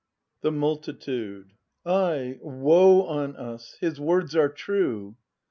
The Multitude. Ay, woe on us, — his words are true!